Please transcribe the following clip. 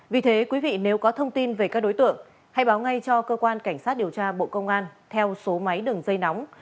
vì thế quý vị nếu có thông tin về các đối tượng hãy báo ngay cho cơ quan cảnh sát điều tra bộ công an theo số máy đường dây nóng